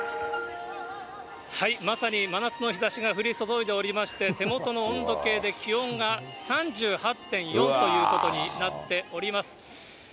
まさに真夏の日ざしが降り注いでおりまして手元の温度計で、気温が３８．４ということになっております。